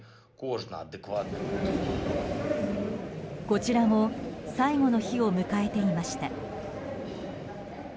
こちらも最後の日を迎えていました。